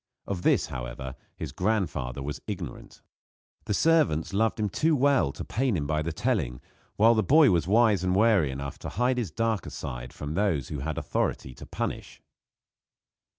Of this, however, his grandfather was ignorant. The servants loved him too well to pain him by the telling, while the boy was wise and wary enough to hide his darker side from those who had authority to punish.